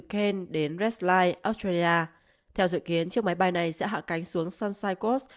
kent đến redline australia theo dự kiến chiếc máy bay này sẽ hạ cánh xuống sunside coast